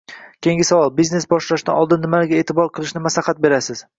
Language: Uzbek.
Keyingi savol – biznes boshlashdan oldin nimalarga eʼtibor qilishni maslahat berasiz?